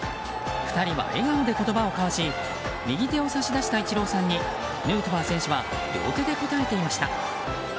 ２人は笑顔で言葉を交わし右手を差し出したイチローさんにヌートバー選手は両手で応えていました。